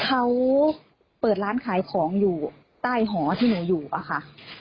เขาเปิดร้านขายของอยู่ใต้หอที่หนูอยู่อะค่ะ